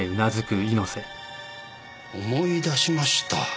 思い出しました。